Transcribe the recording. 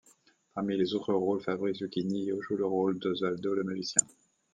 Parmi les autres rôles, Fabrice Luchini y joue le rôle d'Oswaldo le magicien.